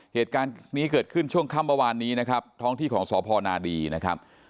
เหตุการณ์นี้เกิดขึ้นช่วงค่ำเมื่อวานนี้นะครับท้องที่ของสพนาดีนะครับ